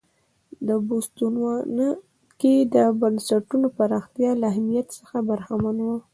په بوتسوانا کې د بنسټونو پراختیا له اهمیت څخه برخمن و.